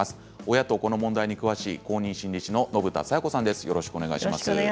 親と子の問題に詳しい公認心理師の信田さよ子さんです。